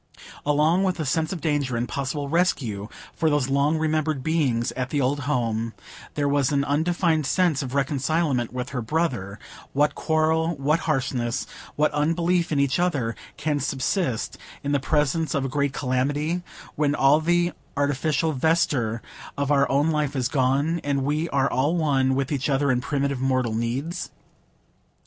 Along with the sense of danger and possible rescue for those long remembered beings at the old home, there was an undefined sense of reconcilement with her brother; what quarrel, what harshness, what unbelief in each other can subsist in the presence of a great calamity, when all the artificial vesture of our life is gone, and we are all one with each other in primitive mortal needs?